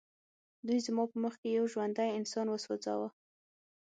دوی زما په مخ کې یو ژوندی انسان وسوځاوه